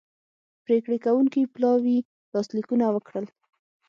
پریکړې کوونکي پلاوي لاسلیکونه وکړل